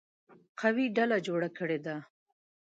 قوي ډله جوړه کړې ده.